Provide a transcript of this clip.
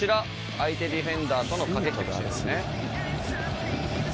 相手ディフェンダーとの駆け引きのシーンですね。